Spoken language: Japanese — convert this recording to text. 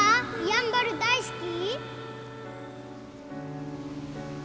やんばる大好き？